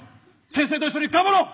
先生と一緒に頑張ろう！